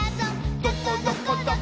「どこどこどこ？